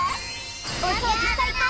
おそうじさいこう！